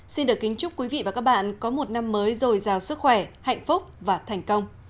xin được kính chúc quý vị và các bạn có một năm mới dồi dào sức khỏe hạnh phúc và thành công